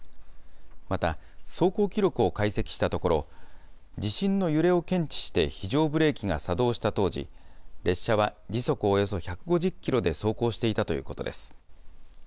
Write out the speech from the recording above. また走行記録を解析したところ、地震の揺れを検知して非常ブレーキが作動した当時、列車は時速およそ１５０キロで走行していたということです。